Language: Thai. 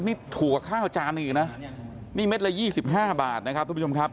นี่ถั่วข้าวจานอื่นนะนี่เม็ดละ๒๕บาทนะครับทุกผู้ชมครับ